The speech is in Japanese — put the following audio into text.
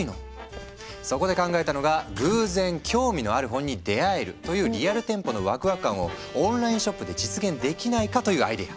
そこで考えたのが偶然興味のある本に出会えるというリアル店舗のワクワク感をオンラインショップで実現できないかというアイデア。